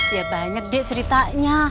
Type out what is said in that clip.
ya banyak deh ceritanya